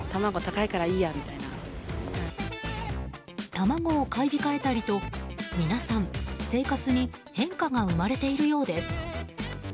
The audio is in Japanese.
卵を買い控えたりと皆さん、生活に変化が生まれているようです。